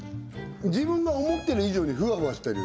自分が思ってる以上にフワフワしてる